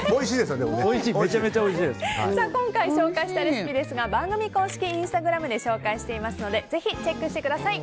今回紹介したレシピですが番組公式インスタグラムで紹介していますのでぜひチェックしてください。